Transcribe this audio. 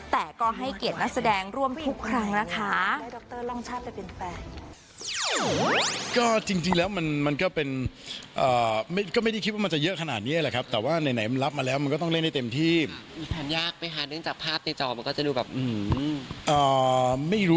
แต่ก็ให้เกียรตินักแสดงร่วมทุกครั้งนะคะได้ด็อกเตอร์ร่องชาติได้เป็นแฟน